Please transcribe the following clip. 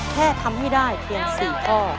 แค่ทำให้ได้เพียง๔ข้อ